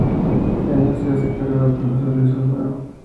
Ese año, se hace cargo el profesor Luis Alfaro.